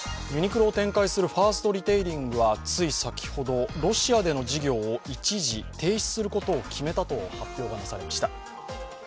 ユニクロを展開するファーストリテイリングはつい先ほどロシアでの事業を一時停止することを決めたと発表が出されました。